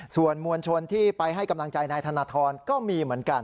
ส่วนมวลชนที่ไปให้กำลังใจนายธนทรก็มีเหมือนกัน